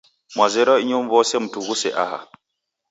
Mwazerwa inyow'ose mtughuse aha.